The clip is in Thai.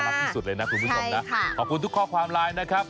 ที่สุดเลยนะคุณผู้ชมนะขอบคุณทุกข้อความไลน์นะครับ